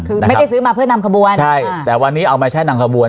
คือไม่ได้ซื้อมาเพื่อนำขบวนใช่แต่วันนี้เอามาใช้นำขบวน